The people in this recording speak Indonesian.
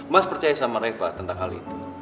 mas percaya sama reva tentang hal itu